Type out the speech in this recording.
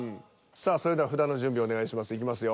さあそれでは札の準備お願いします。